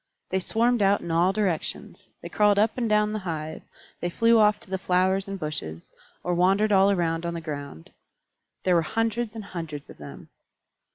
They swarmed out in all directions; they crawled up and down the hive; they flew off to the flowers and bushes, or wandered all around on the ground. There were hundreds and hundreds of them.